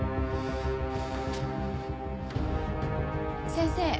先生